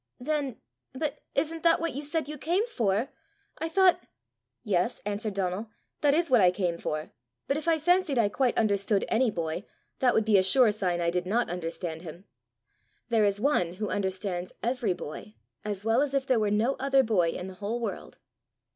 "Then but isn't that what you said you came for? I thought " "Yes," answered Donal, "that is what I came for; but if I fancied I quite understood any boy, that would be a sure sign I did not understand him. There is one who understands every boy as well as if there were no other boy in the whole world."